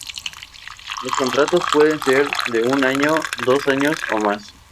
Los contratos pueden ser de un año, dos años o más.